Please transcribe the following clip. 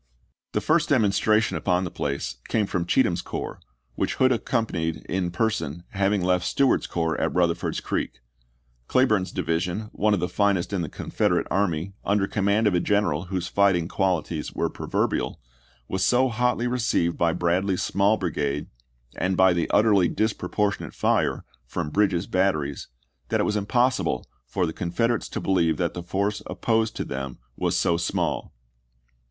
The first demonstration upon the place came from Cheatham's corps, which Hood accompanied in per son, having left Stewart's corps at Eutherford's Creek ; Cleburne's division, one of the finest in the Confederate army, under command of a general whose fighting qualities were proverbial, was so hotly received by Bradley's small brigade, and by the utterly disproportionate fire from Bridges' batteries, that it was impossible for the Confeder ates to believe that the force opposed to them was so small.